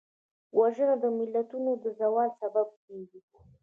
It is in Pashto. وژنه د ملتونو د زوال سبب کېږي